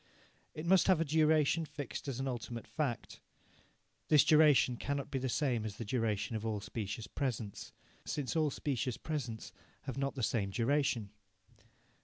It must have a duration fixed as an ultimate fact. This duration cannot be the same as the duration of all specious presents, since all specious presents have not the same duration.